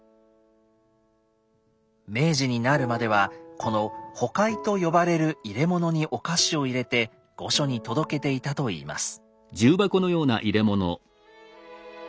明治になるまではこの「行器」と呼ばれる入れ物にお菓子を入れて御所に届けていたといいます。